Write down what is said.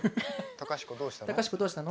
隆子どうしたの？